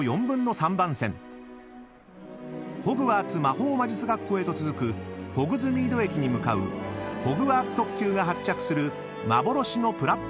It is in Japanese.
［ホグワーツ魔法魔術学校へと続くホグズミード駅に向かうホグワーツ特急が発着する幻のプラットホーム］